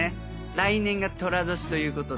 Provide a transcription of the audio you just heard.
来年が寅年ということで。